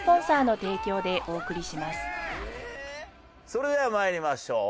それでは参りましょう。